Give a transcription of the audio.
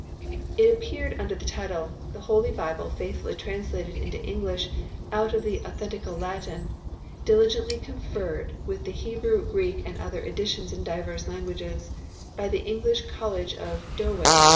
It appeared under the title :" The Holie Bible Faithfully Trans lated into English Out Of The Authentical Latin. Diligently conferred with the Hebrew, Greeke, and other editions in divers languages. . ..By the English College Of Doway...